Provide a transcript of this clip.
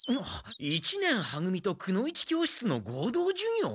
一年は組とくの一教室の合同授業？